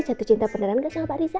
jatuh cinta beneran nggak sama pak riza